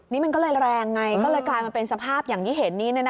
นี่มันก็เลยแรงไงก็เลยกลายมาเป็นสภาพอย่างที่เห็นนี้